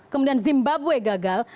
kemudian zimbabwe gagal